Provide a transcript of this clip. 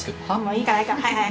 いいからいいからはい。